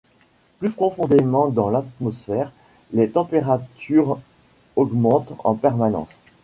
Plus profondément dans l’atmosphère, les températures augmentent en permanence.